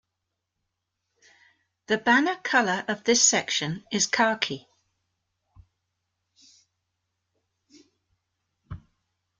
The banner colour of this section is khaki.